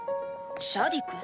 シャディク。